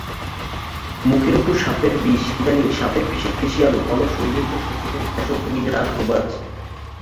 মুখের ওপর সাপের বিষইদানিং সাপের বিষের ফেসিয়ালও অনেক সৌন্দর্য-সচেতন ফ্যাশনপ্রেমীদের আগ্রহ বাড়াচ্ছে।